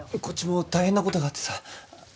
こっちも大変な事があってさ。